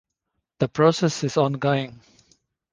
This process is ongoing.